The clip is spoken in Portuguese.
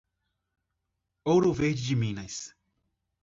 Ouro Verde de Minas